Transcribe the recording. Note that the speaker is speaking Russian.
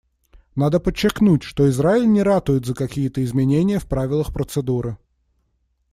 Надо подчеркнуть, что Израиль не ратует за какие-то изменения в правилах процедуры.